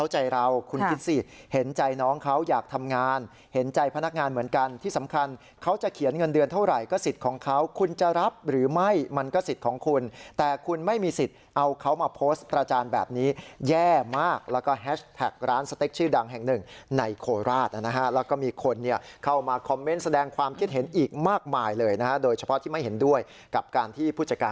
ใจพนักงานเหมือนกันที่สำคัญเขาจะเขียนเงินเดือนเท่าไหร่ก็สิทธิ์ของเขาคุณจะรับหรือไม่มันก็สิทธิ์ของคุณแต่คุณไม่มีสิทธิ์เอาเขามาโพสต์ประจานแบบนี้แย่มากแล้วก็แฮชแพคร้านสเต็กชื่อดังแห่งหนึ่งในโคราชนะฮะแล้วก็มีคนเนี้ยเข้ามาคอมเม้นต์แสดงความคิดเห็นอีกมากมายเลยนะฮะ